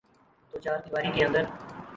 توچاردیواری کے اندر۔